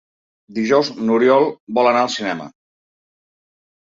Dijous n'Oriol vol anar al cinema.